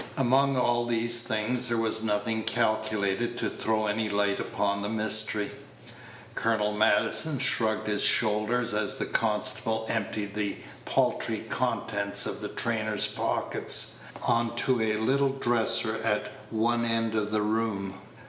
Among all these things there was nothing calculated to throw any light upon the mystery. Colonel Maddison shrugged his shoulders as the constable emptied the paltry contents of the trainer's pockets on to a little dresser at one end of the room.